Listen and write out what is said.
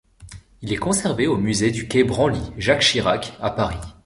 Il est conservé au musée du quai Branly - Jacques-Chirac, à Paris.